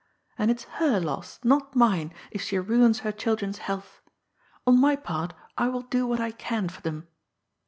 And it's her loss, not mine, if she ruins her children's healths. On my part, I will do what I can for them.